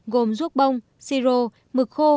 gồm ruốc bông si rô mực khô